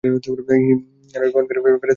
ইনি আরশ বহনকারী ফেরেশতাদের একজন।